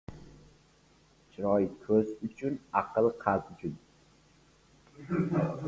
• Chiroy ― ko‘z uchun, aql ― qalb uchun.